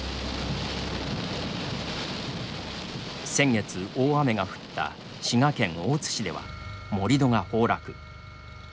先月、大雨が降った滋賀県大津市では、盛り土が崩落。